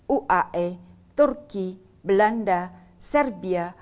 uae turki belanda serbia